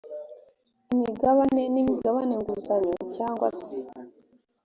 imigabane n imigabane nguzanyo cyangwa se